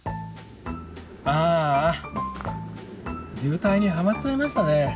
ああ渋滞にハマっちゃいましたね。